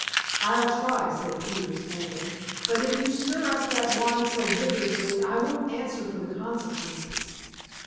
"I'll try," said Peters faintly, "but if you stir up that wine so vigorously I won't answer for the consequences."